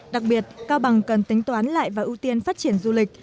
đặc biệt cao bằng cần tính toán lại và ưu tiên phát triển du lịch